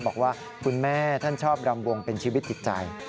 บอกว่าคุณแม่ท่านชอบรำวงเป็นชีวิตจิตใจ